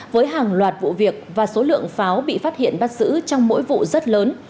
với hàng loạt vụ việc và số lượng pháo bị phát hiện bắt giữ trong mỗi vụ rất lớn